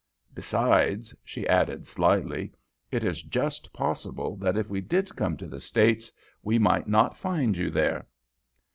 Besides," she added, slyly, "it is just possible that if we did come to the States we might not find you there."